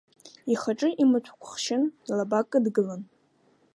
Ихаҿы имаҭәақәа хшьын, илаба кыдгылан.